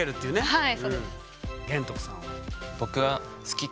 はい。